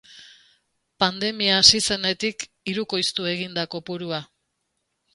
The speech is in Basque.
Pandemia hasi zenetik hirukoiztu egin da kopurua.